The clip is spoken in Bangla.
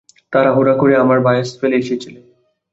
তাড়াহুড়া করে আমার বাসায়ফেলে এসেছিলি।